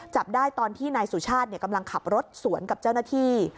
จับได้ตอนที่นายสุชาติกำลังขับรถสวนกับเจ้าหน้าที่